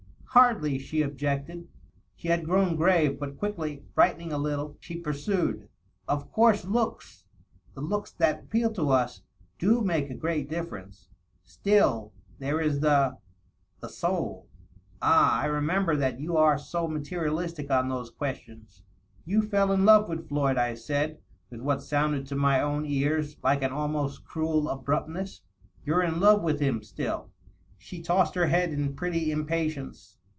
"Hardly," she objected. She had grown grave, but quickly, brightening a little, she pursued, "Of course looks — ^the looks that appeal to us — do make a great difierence. Still, there is the .. the fmd! .. Ah, I remember that you are so materialistic on those ques tions 1" " You fell in love with Floyd," I said with what sounded to my own ears like an almost cruel abruptness. " You're in love with him still." She tossed her head in pretty impatience.